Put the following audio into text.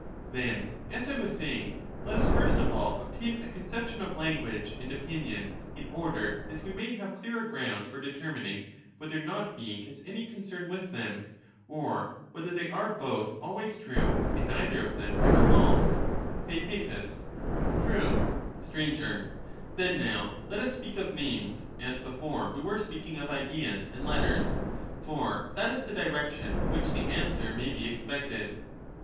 Then, as I was saying, let us first of all obtain a con We want ception of language and opinion, in order that we may have ^^ o^tam clearer grounds for determining, whether not being has any conception concern with them, or whether they are both always true, and of i^n .,,/ I guage and neither of them ever false. opinion. TheaeL True. Sir, Then, now, let us speak of names, as before we were speaking of ideas and letters; for that is the direction in which the answer may be expected.